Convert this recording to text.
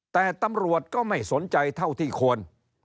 แต่ตำรวจก็ไม่สนใจเท่าที่ควร